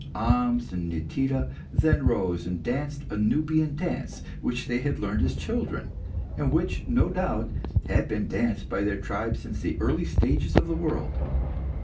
Ahmes and Nitida then rose, and danced a Nubian dance which they had learned as children, and which, no doubt, had been danced by their tribe since the early ages of the world.